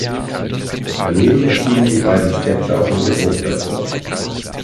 Daneben erschienen die beiden Sketche auch in gedruckter Form.